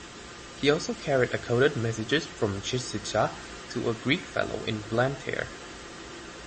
He also carried a coded messages from Chisiza to a "Greek fellow" in Blantyre.